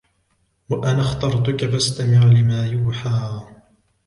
وَأَنَا اخْتَرْتُكَ فَاسْتَمِعْ لِمَا يُوحَى